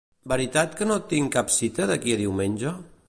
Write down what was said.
Veritat que no tinc cap cita d'aquí a diumenge?